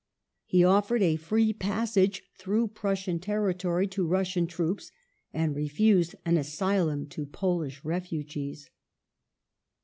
He offered a free passage, through Prussian territory, to Russian troops, and refused an asylum to Polish refugees.